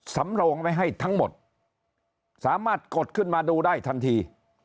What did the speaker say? สำโรงไว้ให้ทั้งหมดสามารถกดขึ้นมาดูได้ทันที